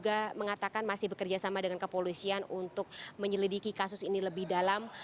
dan kpk sendiri juga mengatakan masih bekerjasama dengan kepolisian untuk menyelidiki kasus ini lebih jauh